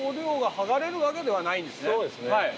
そうですねはい。